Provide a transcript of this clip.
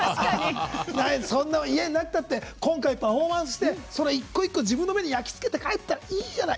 そんなの家にあったって今回、パフォーマンスをしてその１個１個、自分の目に焼き付けて帰ったらいいじゃない。